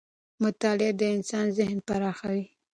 مطالعه د انسان ذهن پراخوي